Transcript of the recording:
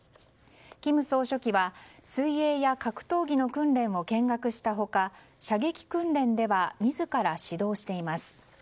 金総書記は水泳や格闘技の訓練を見学した他射撃訓練では自ら指導しています。